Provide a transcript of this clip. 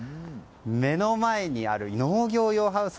目の前にある農業用ハウス。